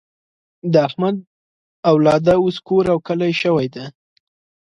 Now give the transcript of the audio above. د احمد اولاده اوس کور او کلی شوې ده.